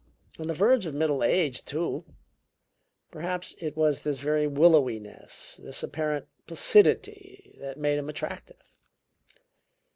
On the verge of middle age, too! Perhaps it was this very willowiness, this apparent placidity that made him attractive.